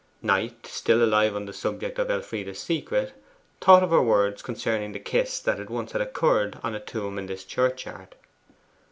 Knight, still alive on the subject of Elfride's secret, thought of her words concerning the kiss that it once had occurred on a tomb in this churchyard.